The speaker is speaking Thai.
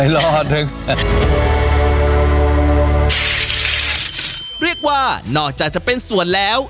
เรียกว่านอกจากจะเป็นสวนแล้ว